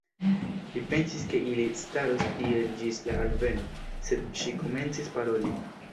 Li pensis ke ili staros tiel ĝis la alveno, sed ŝi komencis paroli.